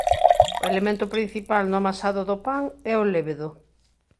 O elemento principal no amasado do pan é o lévedo.